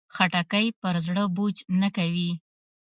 خټکی پر زړه بوج نه کوي.